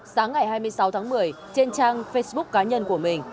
sáng ngày hai mươi sáu tháng một mươi trên trang facebook cá nhân của mình